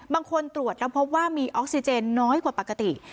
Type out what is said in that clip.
บางคนตรวจแล้วเพราะว่ามีออกซิเจนน้อยกว่าปกติ